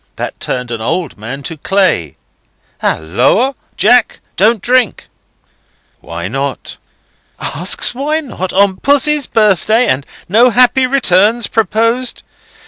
that turned an old man to clay.—Halloa, Jack! Don't drink." "Why not?" "Asks why not, on Pussy's birthday, and no Happy returns proposed!